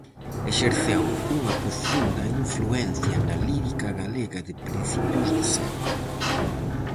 Exerceu unha profunda influencia na lírica galega de principios de século.